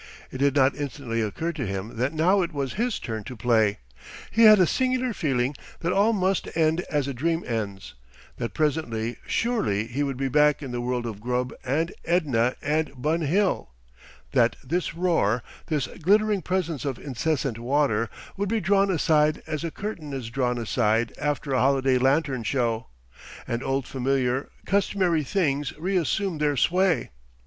It did not instantly occur to him that now it was his turn to play. He had a singular feeling that all must end as a dream ends, that presently surely he would be back in the world of Grubb and Edna and Bun Hill, that this roar, this glittering presence of incessant water, would be drawn aside as a curtain is drawn aside after a holiday lantern show, and old familiar, customary things re assume their sway.